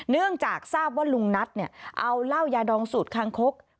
เนื่องจากทราบว่าลุงนัทเอาเหล้ายาดองสูตรคางคก